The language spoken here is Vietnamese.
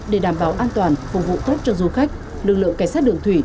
để đảm bảo an toàn phục vụ tốt cho du khách lực lượng cảnh sát đường thủy